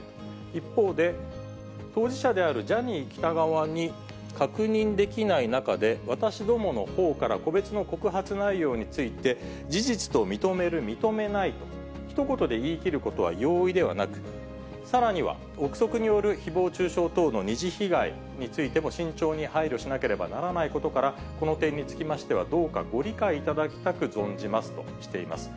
一方で、当事者であるジャニー喜多川に確認できない中で、私どものほうから個別の告発内容について、事実と認める、認めないとひと言で言い切ることは容易ではなく、さらには、臆測によるひぼう中傷等の二次被害についても、慎重に配慮しなければならないことから、この点につきましては、どうかご理解いただきたく存じますとしています。